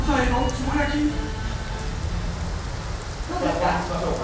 これにしましょうか。